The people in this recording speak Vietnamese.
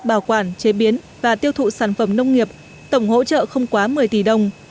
bảo quản chế biến và tiêu thụ sản phẩm nông nghiệp tổng hỗ trợ không quá một mươi tỷ đồng